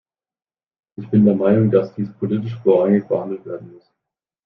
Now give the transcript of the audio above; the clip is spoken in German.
Ich bin der Meinung, dass dies politisch vorrangig behandelt werden muss.